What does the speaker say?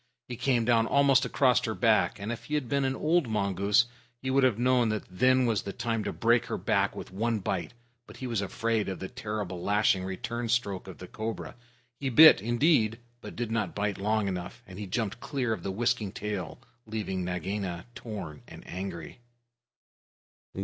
He came down almost across her back, and if he had been an old mongoose he would have known that then was the time to break her back with one bite; but he was afraid of the terrible lashing return stroke of the cobra. He bit, indeed, but did not bite long enough, and he jumped clear of the whisking tail, leaving Nagaina torn and angry.